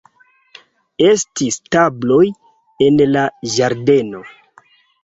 Estis tabloj en la ĝardeno.